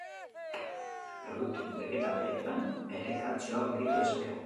Produktu begetaletan ere kaltzioa aurkitu dezakegu.